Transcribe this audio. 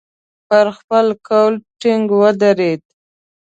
پر خپل قول ټینګ ودرېد.